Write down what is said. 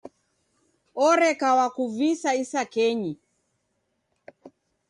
Oreka wakuvisa isakenyi.